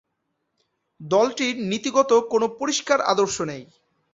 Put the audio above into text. দলটির নীতিগত কোন পরিষ্কার আদর্শ নেই।